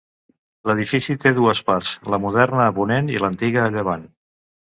L'edifici té dues parts: la moderna a ponent i l'antiga a llevant.